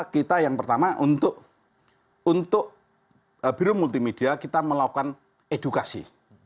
kita yang pertama untuk biro multimedia kita melakukan edukasi